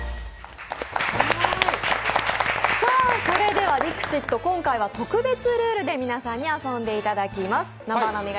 それでは、ディクシット、今回は特別ルールで皆さんに遊んでいただきます。